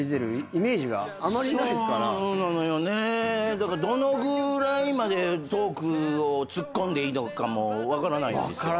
だからどのぐらいまでトークを突っ込んでいいのかも分からないんですよ。